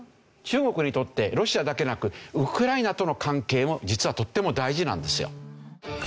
中国にとってロシアだけじゃなくウクライナとの関係も実はとっても大事なんですよ。